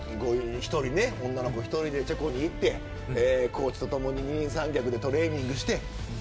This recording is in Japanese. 女の子１人でチェコに行ってコーチとともに二人三脚でトレーニングして。